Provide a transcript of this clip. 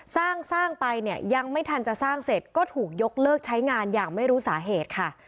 สร้างสร้างไปเนี่ยยังไม่ทันจะสร้างเสร็จก็ถูกยกเลิกใช้งานอย่างไม่รู้สาเหตุค่ะ